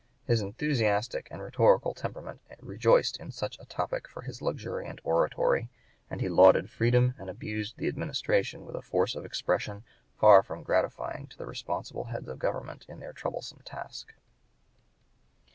His enthusiastic and rhetorical temperament rejoiced in such a topic for his luxuriant oratory, and he lauded freedom and abused the administration with a force of expression far from gratifying to the responsible heads of government in their troublesome task.